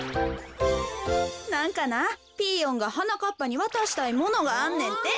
なんかなピーヨンがはなかっぱにわたしたいものがあんねんて。